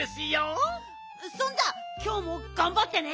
そんじゃきょうもがんばってね。